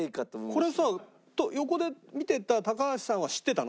これさ横で見てた高橋さんは知ってたの？